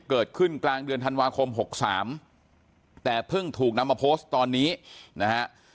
เกิดขึ้นกลางเดือนธันวาคม๖๓แต่เพิ่งถูกนำมาโพสต์ตอนนี้นะฮะ